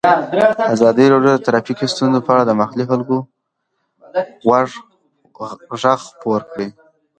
ازادي راډیو د ټرافیکي ستونزې په اړه د محلي خلکو غږ خپور کړی.